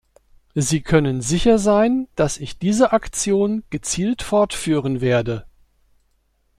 Sie können sicher sein, dass ich diese Aktion gezielt fortführen werde.